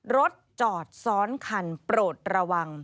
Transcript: รถจอดซ้อนคันโปรดระวัง